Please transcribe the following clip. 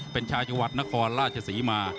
เป็นชาวจังหวัดนครราชศรีมา